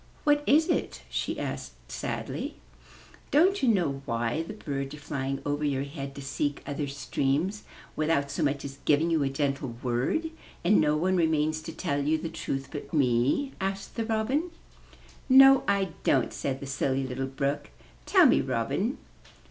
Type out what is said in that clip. ''What is it?" she asked sadly. ''Don't you know why the birds are flying over your head to seek other streams, without so much as giving you a gentle word, and no one remains to tell you the truth but me?'* asked the Robin. ''No, I don't," said the Silly Little Brook. "Tell me, Robin."